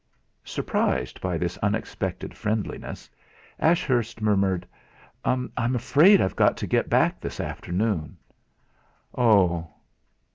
Surprised by this unexpected friendliness, Ashurst murmured: "I'm afraid I've got to get back this afternoon." "Oh!"